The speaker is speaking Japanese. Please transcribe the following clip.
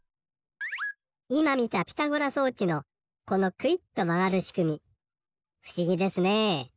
いまみたピタゴラ装置のこのクイッとまがるしくみふしぎですね。